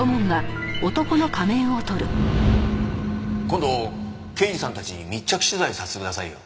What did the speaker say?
今度刑事さんたちに密着取材させてくださいよ。